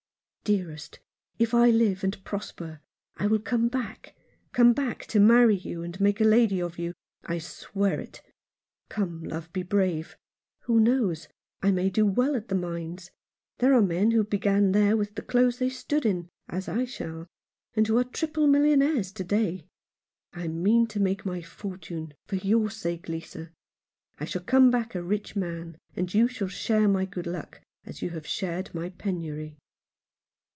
" Dearest, if I live and prosper, I will come back — come back to marry you and make a lady of you. I swear it. Come, love, be brave. Who knows ? I may do well at the Mines. There are men who began there with the clothes they stood in, as I shall, and who are triple millionaires to day. I mean to make my fortune, for your sake, Lisa. I shall come back a rich man, and you shall share my good luck, as you have shared my penury."